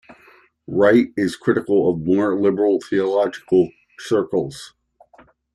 Wright is critical of more liberal theological circles.